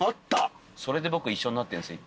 それで僕一緒になってんすよ